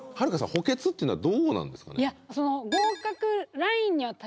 補欠っていうのはどうなんですかね？